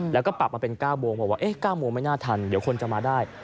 แล้วก็ปรับมาเป็น๙โมงบอกว่า๙โมงไม่น่าทันเดี๋ยวคนจะมาได้